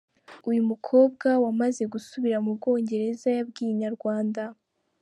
Uyu mukobwa wamaze gusubira mu Bwongereza, yabwiye Inyarwanda.